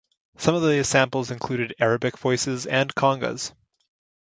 Some of the samples included Arabic voices and congas.